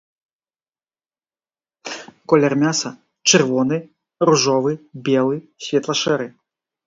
Колер мяса-чырвоны, ружовы, белы, светла-шэры.